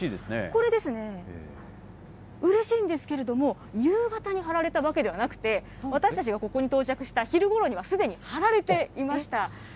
これですね、うれしいんですけれども、夕方に貼られたわけではなくて、私たちがここに到着した昼ごろにはすでに貼られていました。